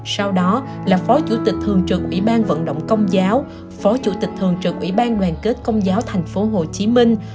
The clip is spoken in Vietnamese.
sau đó là phó chủ tịch thường trực ủy ban vận động công giáo phó chủ tịch thường trực ủy ban đoàn kết công giáo thành phố hồ chí minh